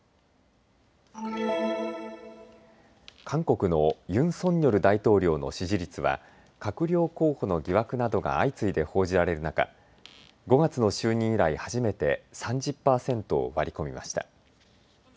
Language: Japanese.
韓国のユン・ソンニョル大統領の支持率は閣僚候補の疑惑などが相次いで報じられる中、５月の就任以来初めて３０％を割り込みました。